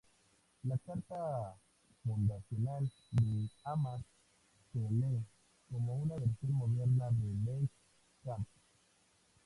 La Carta Fundacional de Hamás se lee como una versión moderna de Mein Kampf.